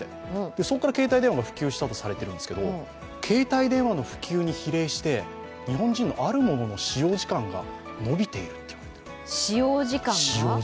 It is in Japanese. そこから携帯電話が普及したとされるんですけど、携帯電話の普及に比例して日本人のあるものの使用時間が伸びている。